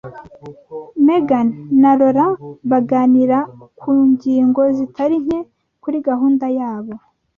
Megan na Laura baganira ku ngingo zitari nke kuri gahunda yabo.